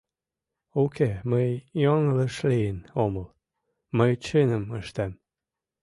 Уке, мый йоҥылыш лийын омыл, мый чыным ыштем.